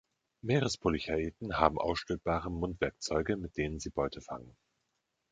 Meerespolychaeten haben ausstülpbare Mundwerkzeuge, mit denen sie Beuge fangen.